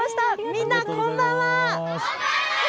みんな、こんばんは。